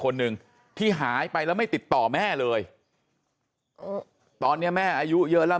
คนหนึ่งที่หายไปแล้วไม่ติดต่อแม่เลยตอนนี้แม่อายุเยอะแล้ว